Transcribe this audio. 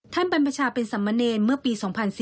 ท่านปราชาเป็นสำเนติ์เมื่อปี๒๔๘๐